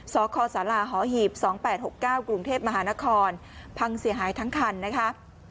สคศหีบ๒๘๖๙กรุงเทพมหานครพังเสียหายทั้งคันนะคะ